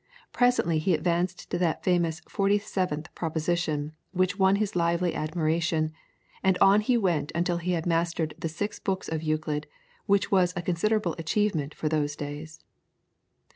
Presently he advanced to that famous 47th proposition which won his lively admiration, and on he went until he had mastered the six books of Euclid, which was a considerable achievement for those days.